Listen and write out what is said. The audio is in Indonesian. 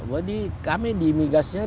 wadih kami di migasnya di